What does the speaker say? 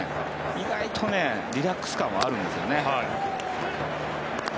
意外とリラックス感はあるんですよね。